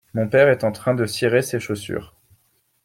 Mon père est en train de cirer ses chaussures.